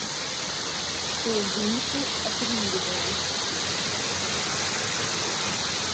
Што ў выніку атрымліваем.